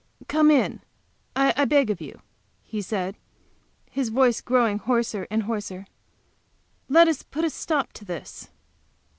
"Come in, I beg of you," he said, his voice grow mg hoarser and hoarser. "Let us put a stop to this."